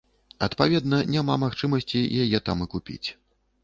Адпаведна, няма магчымасці яе там і купіць.